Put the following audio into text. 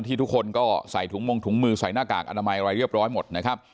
ทุกคนก็ใส่ถุงมงถุงมือใส่หน้ากากอนามัยอะไรเรียบร้อยหมดนะครับ